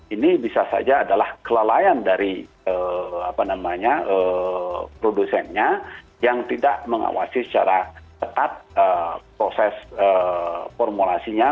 ini bisa saja adalah kelalaian dari produsennya yang tidak mengawasi secara ketat proses formulasinya